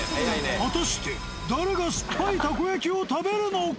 果たして、誰がすっぱいたこ焼きを食べるのか？